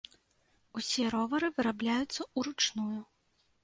Усе ровары вырабляюцца ўручную.